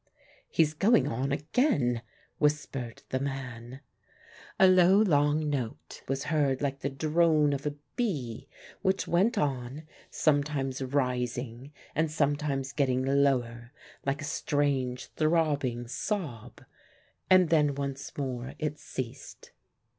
"He's going on again," whispered the man. A low, long note was heard like the drone of a bee, which went on, sometimes rising and sometimes getting lower, like a strange throbbing sob; and then once more it ceased.